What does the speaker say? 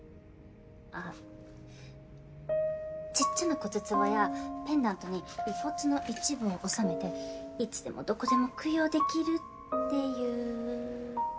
ちっちゃな骨つぼやペンダントに遺骨の一部を納めていつでもどこでも供養できるっていう。